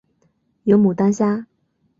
有牡丹虾